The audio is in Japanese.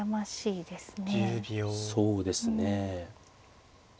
そうですね。